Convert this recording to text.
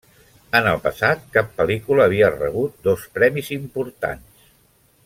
En el passat, cap pel·lícula havia rebut dos premis importants.